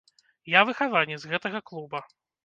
Я выхаванец гэтага клуба.